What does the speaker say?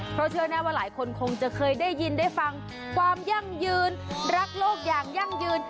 เพราะเชื่อแน่ว่าหลายคนคงจะเคยได้ยินได้ฟังความยั่งยืนรักโลกอย่างยั่งยืน